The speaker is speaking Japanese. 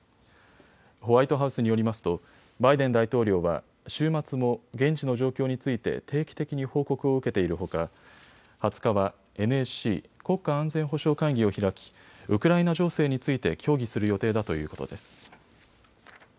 ホワイトハウスによりますとバイデン大統領は週末も現地の状況について定期的に報告を受けているほか２０日はＮＳＣ・国家安全保障会議を開きウクライナ情勢について協議する予定だということです。